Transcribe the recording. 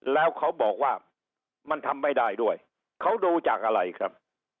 แล้วเขาบอกว่ามันทำไม่ได้ด้วยเขาดูจากอะไรครับ